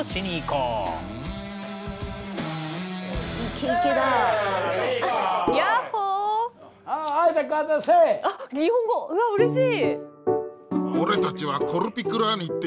うわっうれしい！